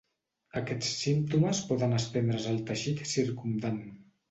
Aquests símptomes poden estendre's al teixit circumdant.